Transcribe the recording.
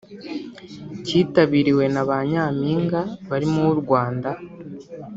cyitabiriwe na ba Nyampinga barimo uw’u Rwanda